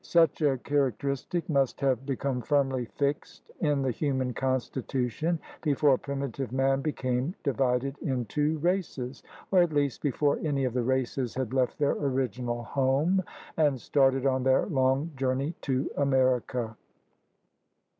Such a characteristic must have become firmly fixed in the human constitution before primitive man became divided into races, or at least before any of the races had left their original home and started on their long journey to America.